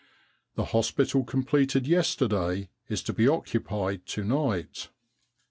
"The hospital completed yesterday is to be occupied to night.